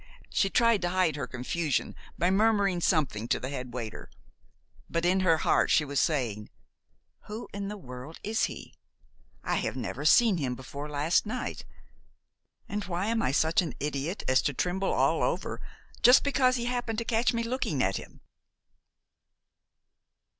She tried to hide her confusion by murmuring something to the head waiter. But in her heart she was saying, "Who in the world is he? I have never seen him before last night. And why am I such an idiot as to tremble all over just because he happened to catch me looking at him?"